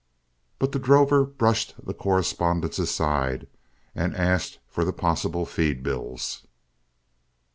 But the drover brushed the correspondence aside, and asked for the possible feed bills.